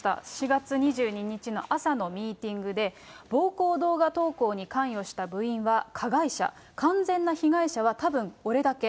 ４月２２日の朝のミーティングで、暴行動画投稿に関与した部員は加害者、完全な被害者はたぶん、俺だけ。